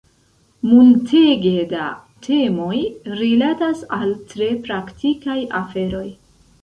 Multege da temoj rilatas al tre praktikaj aferoj.